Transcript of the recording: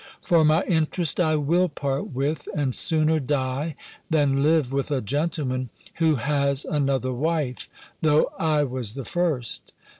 For my interest I will part with, and sooner die, than live with a gentleman who has another wife, though I was the first.